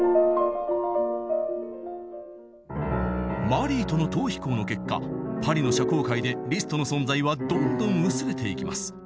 マリーとの逃避行の結果パリの社交界でリストの存在はどんどん薄れていきます。